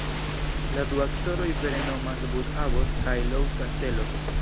La du aktoroj vere nomas Bud Abbott kaj Lou Castello.